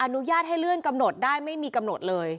อนุญาตให้เลื่อนกำหนดได้ไม่มีกำหนดเลย